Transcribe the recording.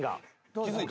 「気付いた？」